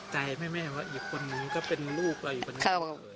แต่แม่อีกคนนึงก็เป็นลูกอีกคนนึงเป็นเคย